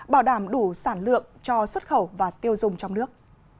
bảo đảm đủ sản lượng cho xuất khẩu và tiêu dùng trong nước